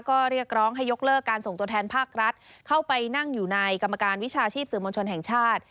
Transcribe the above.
ก็เรียกร้องให้ยกเลิกการส่งตัวแทนภาครัฐเข้าไปนั่งอยู่ในกรรมการวิชาชีพสื่อมวลชนแห่งชาติ